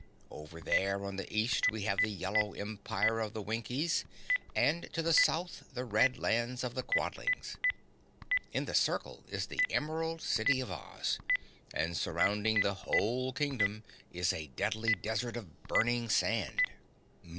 Over there on the east, we have the Yellow empire of the Winkies and to the south the red lands of the Quadlings. In the circle is the Emerald City of Oz, and surrounding the whole Kingdom is a deadly desert of burning sand."